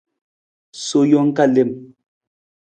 Sowa jang ka lem.